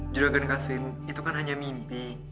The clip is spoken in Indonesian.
juragan kasim itu kan hanya mimpi